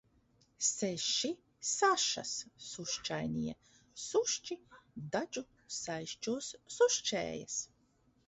Seši sašas sušķainie sušķi dadžu saišķos sušķējas.